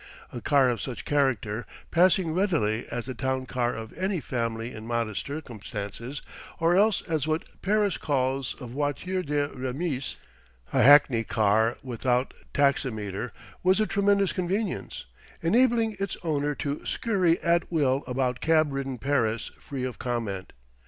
A car of such character, passing readily as the town car of any family in modest circumstances, or else as what Paris calls a voiture de remise (a hackney car without taximeter) was a tremendous convenience, enabling its owner to scurry at will about cab ridden Paris free of comment.